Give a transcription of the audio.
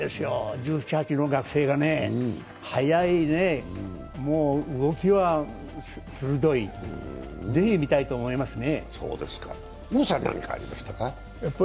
１７１８の学生がね、速い、動きは鋭い、ぜひ見たいと思いますね。